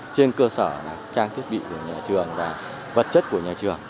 trên cơ sở là trang thiết bị của nhà trường và vật chất của nhà trường